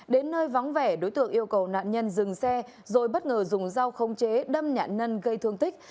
đến nơi vắng vẻ đối tượng yêu cầu nạn nhân dừng xe rồi bất ngờ dùng dao không chế đâm nạn nhân gây thương tích